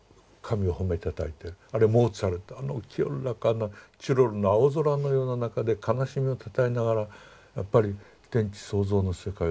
あるいはモーツァルトあの清らかなチロルの青空のような中で悲しみをたたえながらやっぱり天地創造の世界を歌い上げてる。